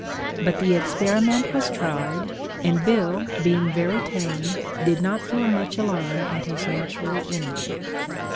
But the experiment was tried; and Bill, being very tame, did not feel much alarm at his natural enemy.